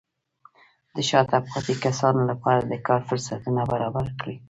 د شاته پاتې کسانو لپاره د کار فرصتونه برابر کړئ.